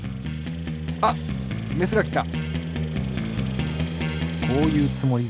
あっメスがきた！